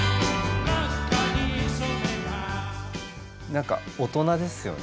何か大人ですよね。